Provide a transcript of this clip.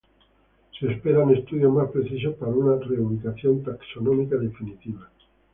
Se esperan estudios más precisos para una reubicación taxonómica definitiva.